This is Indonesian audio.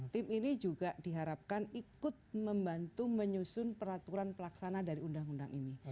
tim ini juga diharapkan ikut membantu menyusun peraturan pelaksana dari undang undang ini